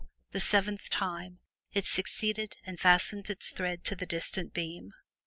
the seventh time it succeeded and fastened its thread to the distant beam!